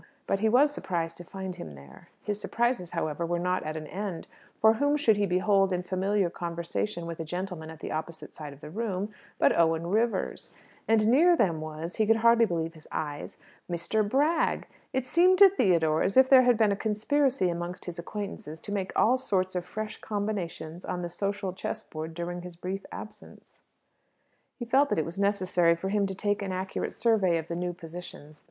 But he was surprised to find him there. His surprises, however, were not at an end; for whom should he behold in familiar conversation with a gentleman at the opposite side of the room but Owen Rivers? And near them was he could hardly believe his eyes Mr. Bragg! It seemed to Theodore as if there had been a conspiracy amongst his acquaintance to make all sorts of fresh combinations on the social chess board during his brief absence. He felt that it was necessary for him to take an accurate survey of the new positions.